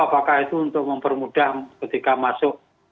apakah itu untuk mempermudah ketika masuk